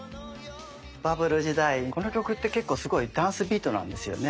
バブル時代この曲って結構すごいダンスビートなんですよね。